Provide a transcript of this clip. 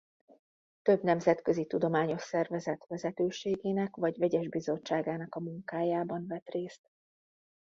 Több nemzetközi tudományos szervezet vezetőségének vagy vegyes bizottságának a munkájában vett részt.